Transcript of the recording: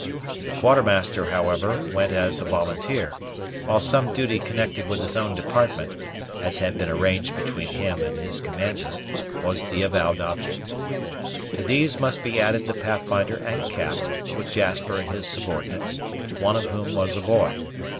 The Quartermaster, however, went as a volunteer, while some duty connected with his own department, as had been arranged between him and his commander, was the avowed object. To these must be added the Pathfinder and Cap, with Jasper and his subordinates, one of whom was a boy.